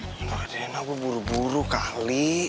nggak ada yang nabur buru buru kali